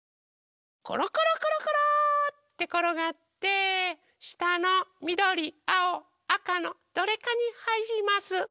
コロコロコロコローってころがってしたのみどりあおあかのどれかにはいります。